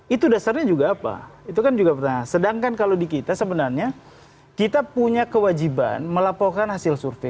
itu dasarnya juga apa itu kan juga pertanyaan sedangkan kalau di kita sebenarnya kita punya kewajiban melaporkan hasil survei